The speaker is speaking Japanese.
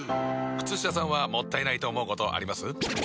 靴下さんはもったいないと思うことあります？